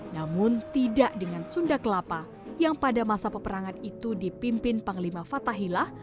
namun tidak dengan sunda kelapa yang pada masa peperangan itu dipimpin panglima fatahilah